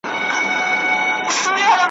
دلته دي د غرو لمني زموږ کېږدۍ دي پکښي پلني `